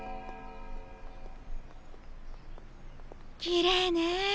きれいね。